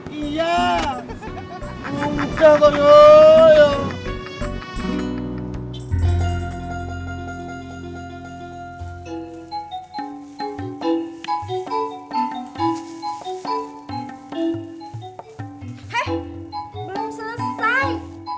hei belum selesai